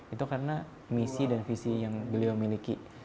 itu karena misi dan visi yang beliau miliki